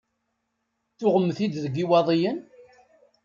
Tuɣem-t-id deg Iwaḍiyen?